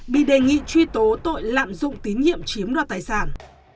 bị đề nghị truy tố tội lạm dụng tín nhiệm chiếm đoạt tài sản